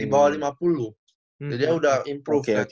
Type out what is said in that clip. di bawah lima puluh jadi udah improve